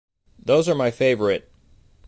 Those are my favorite.